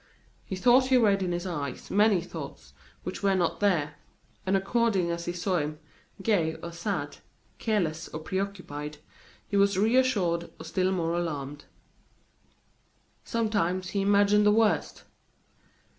He thought he read in his eyes many thoughts which were not there; and according as he saw him, gay or sad, careless or preoccupied, he was reassured or still more alarmed. Sometimes he imagined the worst.